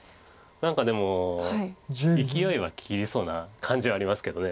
何かでもいきおいは切りそうな感じはありますけど。